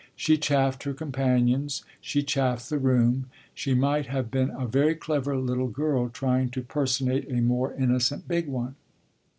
She chaffed her companions, she chaffed the room; she might have been a very clever little girl trying to personate a more innocent big one.